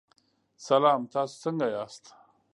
سلام، تاسو څنګه یاست؟